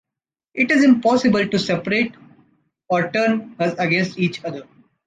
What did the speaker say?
It is impossible to separate or turn us against each other.